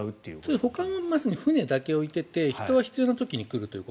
保管はまず船だけ置いてて人は必要な時に来ると。